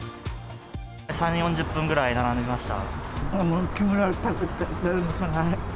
３、４０分ぐらい並びました。